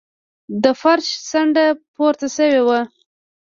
د فرش څنډه پورته شوې وه.